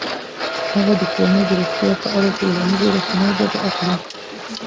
هغه د کورنۍ د روغتیا په اړه د ټولنیزو رسنیو ګټه اخلي.